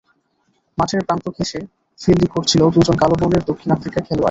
মাঠের প্রান্ত ঘেঁষে ফিল্ডিং করছিলেন দুজন কালো বর্ণের দক্ষিণ আফ্রিকার খেলোয়াড়।